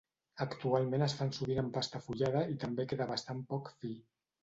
Actualment es fan sovint amb pasta fullada i també queda bastant poc fi.